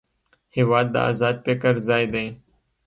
هېواد د ازاد فکر ځای دی.